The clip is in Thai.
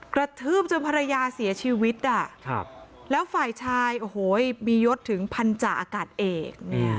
กระทืบจนภรรยาเสียชีวิตแล้วฝ่ายชายโอ้โหมียศถึงพันธาอากาศเอก